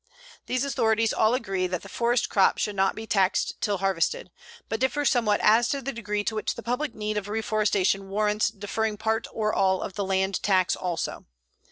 These authorities all agree that the forest crop should not be taxed till harvested, but differ somewhat as to the degree to which the public need of reforestation warrants deferring part or all of the land tax also.